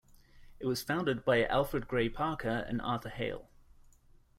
It was founded by Alfred Gray Parker and Arthur Hale.